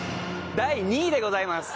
第２位でございます！